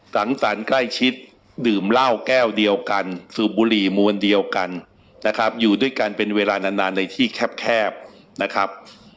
สังสรรค์ใกล้ชิดดื่มเหล้าแก้วเดียวกันสูบบุหรี่มวลเดียวกันนะครับอยู่ด้วยกันเป็นเวลานานในที่แคบนะครับ